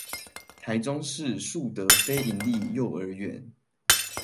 臺中市樹德非營利幼兒園